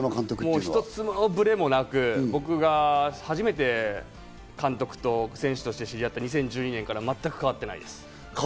一つのブレもなく、僕が初めて監督と選手として知り合った２０１２年から全く変わってないです。